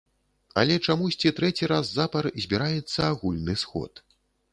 Але чамусьці трэці раз запар збіраецца агульны сход.